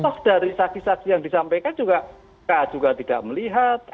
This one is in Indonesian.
terus dari saksi saksi yang disampaikan juga ka juga tidak melihat